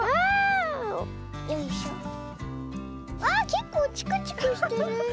けっこうチクチクしてる。